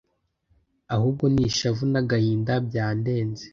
ahubwo ni ishavu n'agahinda byandenze